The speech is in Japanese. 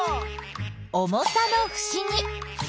重さのふしぎ。